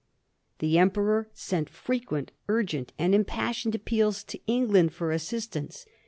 The Emperor sent frequent urgent and impas sioned appeals to England for assistance.